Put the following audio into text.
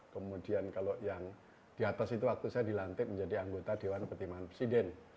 kemudian kalau yang di atas itu waktu saya dilantik menjadi anggota dewan pertimbangan presiden